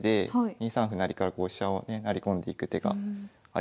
２三歩成から飛車をね成り込んでいく手がありますので。